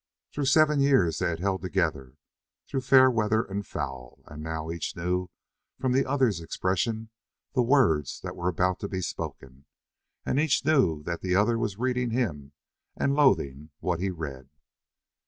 Through seven years they had held together, through fair weather and foul, and now each knew from the other's expression the words that were about to be spoken, and each knew that the other was reading him, and loathing what he read.